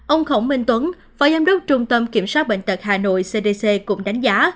ông khổng minh tuấn phó giám đốc trung tâm kiểm soát bệnh tật hà nội cdc cũng đánh giá